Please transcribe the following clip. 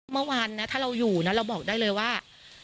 เมื่อวานนะถ้าเราอยู่นะเราบอกได้เลยว่า